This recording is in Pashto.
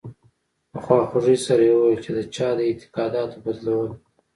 په خواخوږۍ سره یې وویل چې د چا د اعتقاداتو بدلول.